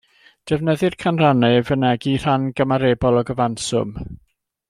Defnyddir canrannau i fynegi rhan gymarebol o gyfanswm.